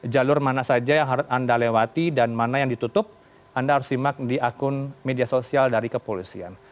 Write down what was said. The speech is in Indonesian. jalur mana saja yang harus anda lewati dan mana yang ditutup anda harus simak di akun media sosial dari kepolisian